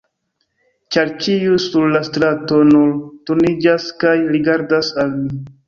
ĉar ĉiuj sur la strato nun turniĝas kaj rigardas al mi.